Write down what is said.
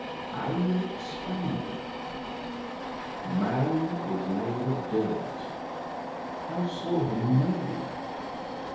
"I will expand it. Man is made of dirt I saw him made.